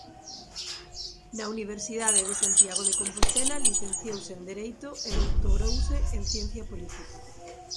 Na Universidade de Santiago de Compostela licenciouse en dereito e doutorouse en ciencia política.